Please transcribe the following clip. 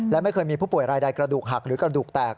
และไม่เคยมีผู้ป่วยรายใดกระดูกหักหรือกระดูกแตก